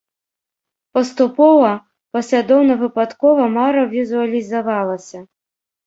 Паступова, паслядоўна-выпадкова мара візуалізавалася.